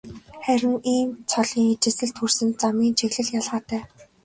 Харин ийм цолын ижилсэлд хүрсэн замын чиглэл ялгаатай.